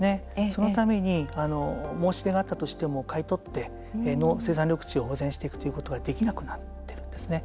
そのために申し出があったとしても買い取って、生産緑地を保全していくということができなくなっているんですね。